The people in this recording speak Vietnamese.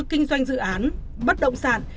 kinh doanh dự án bất động sản